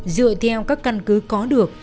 dựa theo các căn cứ có được